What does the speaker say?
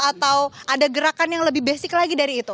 atau ada gerakan yang lebih basic lagi dari itu